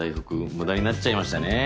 無駄になっちゃいましたね。